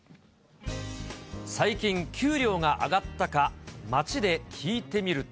最近、給料が上がったか、街で聞いてみると。